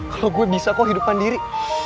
kalo gue bisa kok hidup sendiri